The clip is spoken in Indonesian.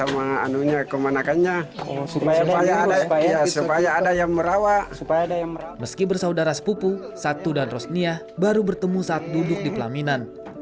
meski bersaudara sepupu satu dan rosnia baru bertemu saat duduk di pelaminan